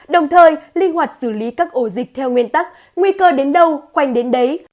đồng thời linh hoạt xử lý các ổ dịch theo nguyên tắc nguy cơ đến đâu khoanh đến đấy